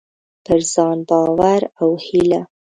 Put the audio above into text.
پر ځان باور او هيله: